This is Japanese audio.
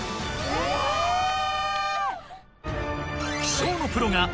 えっ！